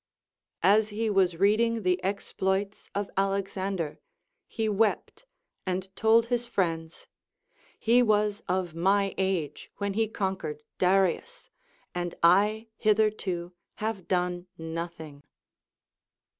As he was reading the exploits of Alexander, he wept and told his friends, lie was of my age when he conquered Darius, and I hitherto have done nothing.